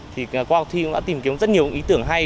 thì qua cuộc thi cũng đã tìm kiếm rất nhiều ý tưởng hay